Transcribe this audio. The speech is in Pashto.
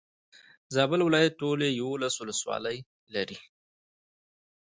زابل ولايت ټولي يولس ولسوالي لري.